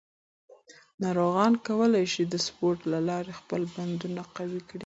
ناروغان کولی شي د سپورت له لارې خپل بندونه قوي کړي.